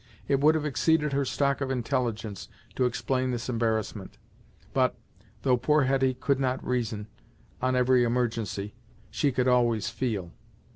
It would have exceeded her stock of intelligence to explain this embarrassment, but, though poor Hetty could not reason, on every emergency, she could always feel.